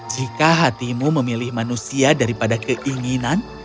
jika hatimu memilih manusia daripada keinginan